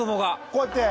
こうやって？